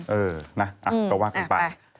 เออเอาว่าคุณป่ะ